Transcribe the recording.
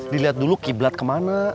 dilihat dulu kiblat kemana